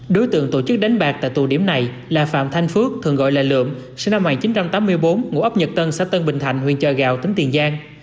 đối tượng tổ chức đánh bạc tại tù điểm này là phạm thanh phước thường gọi là lượm sinh năm một nghìn chín trăm tám mươi bốn ngũ ốc nhật tân xã tân bình thạnh huyện chợ gạo tỉnh tiền giang